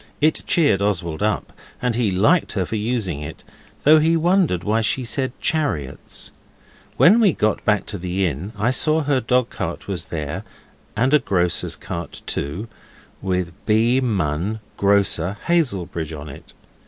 It cheered Oswald up, and he liked her for using it, though he wondered why she said chariots. When we got back to the inn I saw her dogcart was there, and a grocer's cart too, with B. Munn, grocer, Hazelbridge, on it.